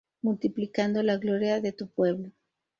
Multiplicando la gloria de tu pueblo.